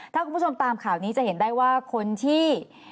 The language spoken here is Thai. ถ้าคุณผู้ชมตามข่าวนี้จะเห็นได้ว่าคนที่